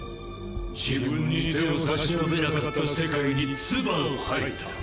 自分に手を差し伸べなかった世界に唾を吐いた。